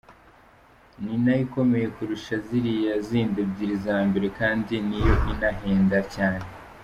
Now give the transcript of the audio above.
Ni nayo ikomeye kurusha ziriya zindi ebyiri za mbere kandi niyo inahenda cyane.